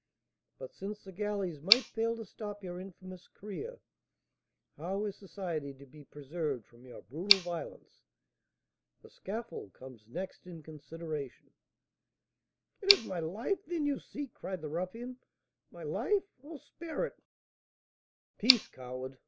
But since the galleys might fail to stop your infamous career, how is society to be preserved from your brutal violence? The scaffold comes next in consideration " "It is my life, then, you seek!" cried the ruffian. "My life! Oh, spare it!" "Peace, coward!